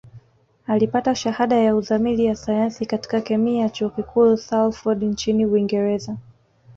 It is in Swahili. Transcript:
Alipata Shahada ya Uzamili ya Sayansi katika Kemia Chuo Kikuu Salford nchini Uingereza